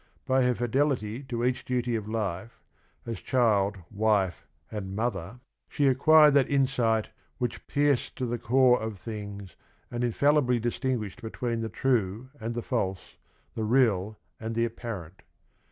By her fidelity to each duty of life, as child, wife, and mother, she ac 9 130 THE RING AND THE BOOK quired that insight which pierced to the core of things and infallibly distinguished between the true and the false, the real and the apparent.